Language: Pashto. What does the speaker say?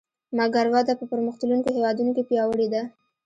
مګر وده په پرمختلونکو هېوادونو کې پیاوړې ده